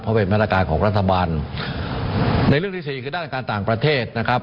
ปราศนาฬง็ภูมิและสถานกสถานกวามูล